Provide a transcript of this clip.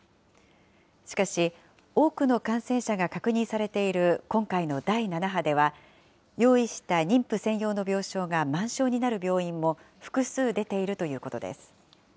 しかし、多くの感染者が確認されている今回の第７波では、用意した妊婦専用の病床が満床になる病院も複数出ているということです。